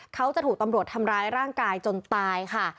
เขาจะถูกตำรวจทำร้ายร่างกายจนตายค่ะ